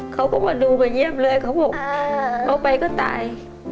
เขาก็มาดูมาเยี่ยมเลยเขาบอกเขาไปก็ตาย